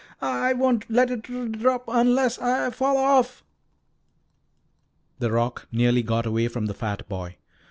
"I I won't let it d d rop un unless I I fall off." The rock nearly got away from the fat boy.